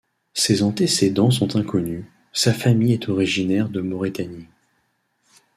Ses antécédents sont inconnus, sa famille est originaire de Maurétanie.